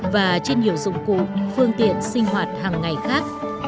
và trên nhiều dụng cụ phương tiện sinh hoạt hàng ngày khác